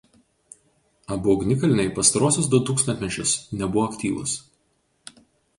Abu ugnikalniai pastaruosius du tūkstantmečius nebuvo aktyvūs.